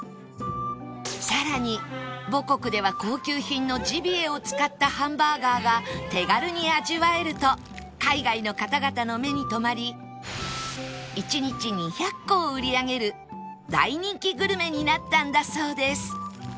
更に母国では高級品のジビエを使ったハンバーガーが手軽に味わえると海外の方々の目に留まり１日２００個を売り上げる大人気グルメになったんだそうです